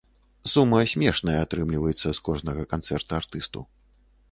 Сума смешная атрымліваецца з кожнага канцэрта артысту.